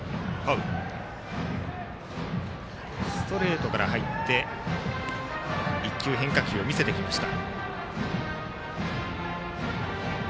ストレートから入って１球、変化球を見せてきました。